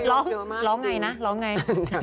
ร้องไงนะร้องไง